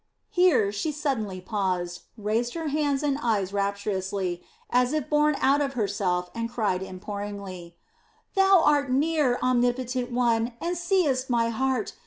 Here she suddenly paused, raised her hands and eyes rapturously, as if borne out of herself, and cried imploringly: "Thou art near me, Omnipotent One, and seest my heart!